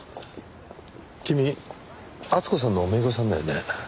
君厚子さんの姪御さんだよね。